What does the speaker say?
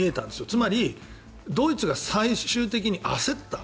つまりドイツが最終的に焦った。